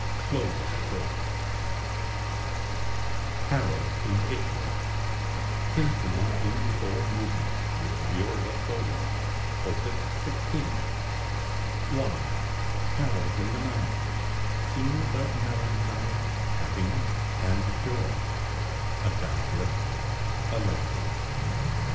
" "HAROLD IN ITALY" SYMPHONY IN FOUR MOVEMENTS, WITH VIOLA SOLO: Op. 16 1. HAROLD IN THE MOUNTAINS; SCENES OF MELANCHOLY, HAPPINESS, AND JOY (Adagio) (Allegro) 2.